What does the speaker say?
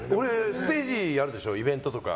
ステージやるでしょイベントとか。